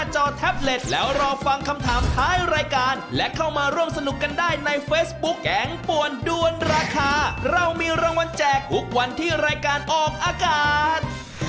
เล็ตแล้วรอฟังคำถามท้ายรายการและเข้ามาร่วมสนุกกันได้ในเฟซบุ๊กแกงป่วนด้วนราคาเรามีรางวัลแจกทุกวันที่รายการออกอากาศ